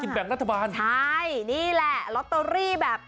๔๐ปี